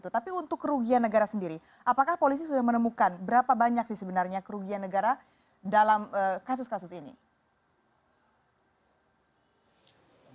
tapi untuk kerugian negara sendiri apakah polisi sudah menemukan berapa banyak sih sebenarnya kerugian negara dalam kasus kasus ini